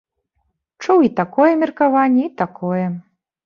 Чуў і такое меркаванне, і такое.